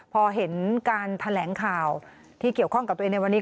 พอเห็นการแถลงข่าวที่เกี่ยวข้องกับตัวเองในวันนี้